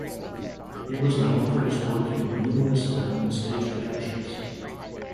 He was known for his work in numerous film and stage productions.